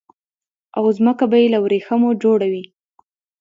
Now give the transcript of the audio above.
او ځمکه به يي له وريښمو جوړه وي